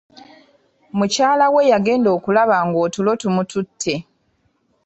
Mukyala we yagenda okulaba nga otulo tumutute.